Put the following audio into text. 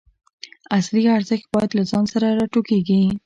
اصلي ارزښت باید له ځان څخه راټوکېږي.